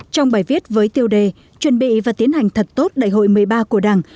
trong bài viết với tiêu đề chuẩn bị và tiến hành thật tốt đại hội một mươi ba của đảng